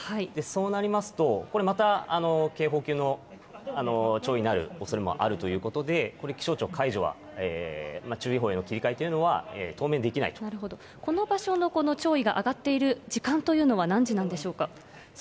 そうなりますと、これまた警報級の潮位になるということで、これ、気象庁、解除は注意報への切り替えというのは、当面できなこの場所のこの潮位が上がっている時間というのは、何時なんでしょうか。